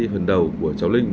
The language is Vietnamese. phần đầu của cháu linh